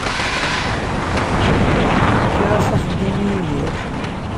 Fkiɣ-as axeddim i Yidir.